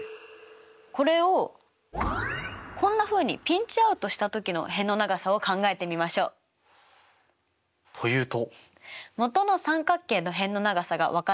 これをこんなふうにピンチアウトした時の辺の長さを考えてみましょう！というと？